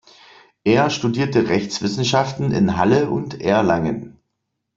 Er studierte Rechtswissenschaften in Halle und Erlangen.